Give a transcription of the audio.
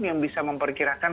yang bisa memperkirakan